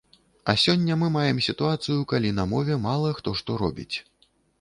А сёння мы маем сітуацыю, калі на мове мала хто што робіць.